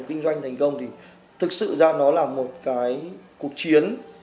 khi khởi nghiệp kinh doanh thành công thì thực sự ra nó là một cuộc chiến